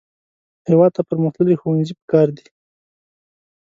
هېواد ته پرمختللي ښوونځي پکار دي